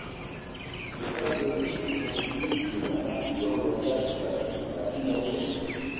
Les Saint-Géry construisent la partie orientale du château, la plus ancienne.